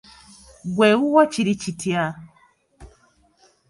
Ggwe ewuwo kiri kitya ?